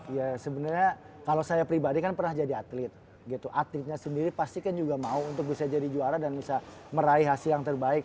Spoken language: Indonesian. ya sebenernya kalo saya pribadi kan pernah jadi atlet gitu atletnya sendiri pasti kan juga mau untuk bisa jadi juara dan bisa meraih hasil yang terbaik